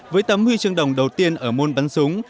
với tấm huy chương đồng đầu tiên ở môn bắn súng